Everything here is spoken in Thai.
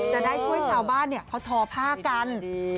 จะได้ช่วยชาวบ้านเขาทอผ้ากัน